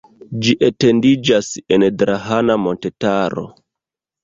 Ĝi etendiĝas en Drahana montetaro.